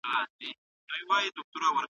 د تېرو کلونو پېښې په دقت سره وڅېړئ.